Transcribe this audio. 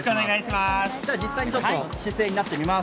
実際にちょっと、姿勢になってみます。